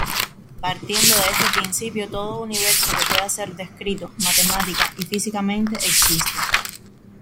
Partiendo de este principio, todo universo que pueda ser descrito, matemática y físicamente, existe.